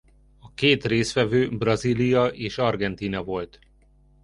A két résztvevő Brazília és Argentína volt.